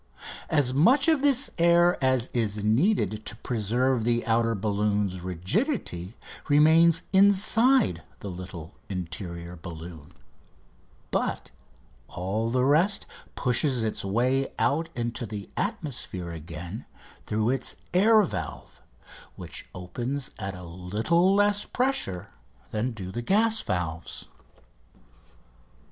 As much of this air as is needed to preserve the outer balloon's rigidity remains inside the little interior balloon, but all the rest pushes its way out into the atmosphere again through its air valve, which opens at a little less pressure than do the gas valves.